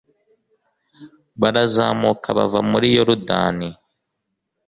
barazamuka bava muri yorudani